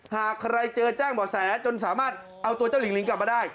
หากใครเจอแจ้งบ่อแสจนสามารถเอาตัวเจ้าหลิงกลับมาได้